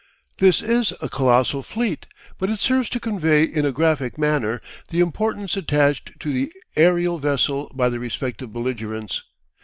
This is a colossal fleet, but it serves to convey in a graphic manner the importance attached to the adrial vessel by the respective belligerents.